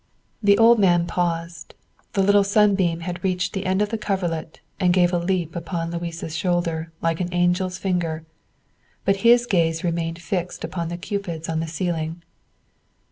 '" The old man paused; the little sunbeam had reached the end of the coverlet and gave a leap upon Louis's shoulder like an angle's finger, but his gaze remained fixed upon the cupids on the ceiling.